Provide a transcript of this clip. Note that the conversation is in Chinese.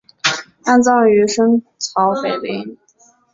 安葬于深草北陵。